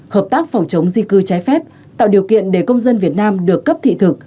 hợp tác phòng chống di cư trái phép tạo điều kiện để công dân việt nam được cấp thị thực